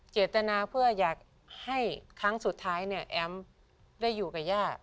เจตนาเพื่ออยากให้ครั้งสุดท้ายเนี่ยแอมได้อยู่กับย่า